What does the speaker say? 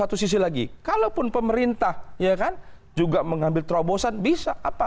satu sisi lagi kalaupun pemerintah ya kan juga mengambil terobosan bisa apa